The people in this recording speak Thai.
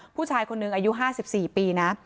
ผู้ชายคนหนึ่งอายุ๕๔ปีนะ